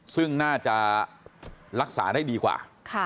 ซึ่งน่าจะรักษาได้ดีกว่า